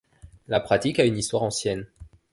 La pratique a une histoire ancienne.